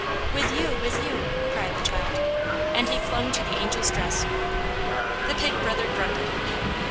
"With you, with you!" cried the child; and he clung to the Angel's dress. The Pig Brother grunted.